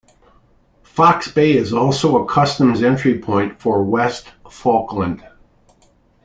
Fox Bay is also a customs entry point for West Falkland.